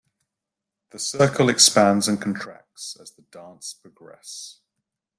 The circle expands and contracts as the dance progress.